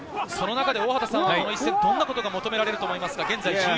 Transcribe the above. その中でこの一戦、どういったことが求められると思いますか？